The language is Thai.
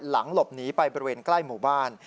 หลบหนีไปบริเวณใกล้หมู่บ้าน